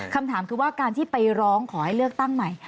คำถามคือว่าการที่ไปร้องขอให้เลือกตั้งใหม่